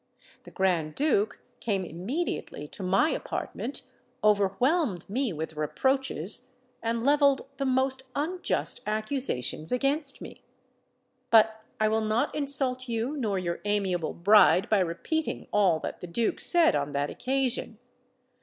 The Grand Duke came immediately to my apartment, overwhelmed me with reproaches, and levelled the most unjust accusations against me. But I will not insult you nor your amiable bride by repeating all that the Duke said on that occasion.